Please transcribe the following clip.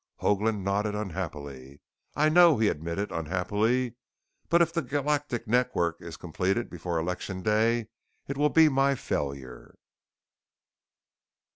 Hoagland nodded unhappily. "I know," he admitted unhappily. "But if the Galactic Network is completed before Election Day it will be my failure!"